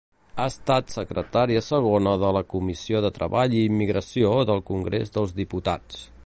Ha estat secretària segona de la Comissió de Treball i Immigració del Congrés dels Diputats.